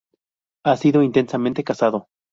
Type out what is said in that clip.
Ha sido intensamente cazado.